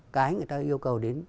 cái người ta yêu cầu đến